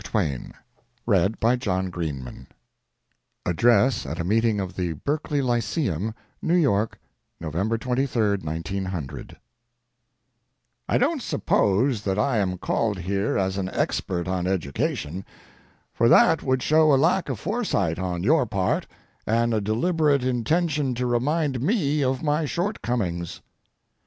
PUBLIC EDUCATION ASSOCIATION ADDRESS AT A MEETING OF THE BERKELEY LYCEUM, NEW YORK, NOVEMBER 23, 1900 I don't suppose that I am called here as an expert on education, for that would show a lack of foresight on your part and a deliberate intention to remind me of my shortcomings.